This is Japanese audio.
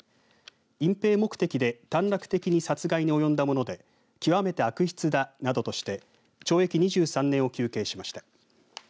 隠ぺい目的で短絡的に殺害に及んだもので極めて悪質だなどとして懲役２３年を求刑しました。